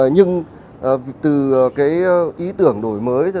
nhưng từ cái ý tưởng đổi mới